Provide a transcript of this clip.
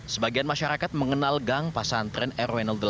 sebagian masyarakat mengenal gang pesantren rw delapan